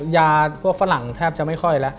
ยาพวกฝรั่งแทบจะไม่ค่อยแล้ว